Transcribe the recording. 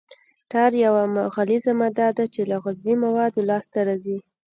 ټار یوه غلیظه ماده ده چې له عضوي موادو لاسته راځي